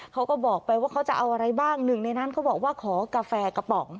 เขาก็บอกไปว่าเขาจะเอาอะไรบ้างหนึ่งในนั้นเขาบอกว่าขอกาแฟกระป๋อง